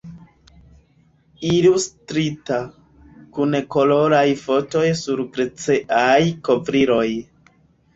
Ilustrita, kun koloraj fotoj sur glaceaj kovriloj.